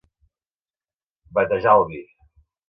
Batejar el vi.